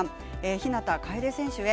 日向楓選手へ。